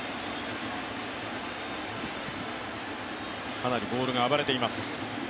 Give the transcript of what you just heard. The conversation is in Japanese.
かなりボールが暴れています。